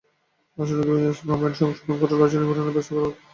আসন্ন অধিবেশনে শ্রম আইন সংশোধন করে এই লজ্জা নিবারণের ব্যবস্থা করা হোক।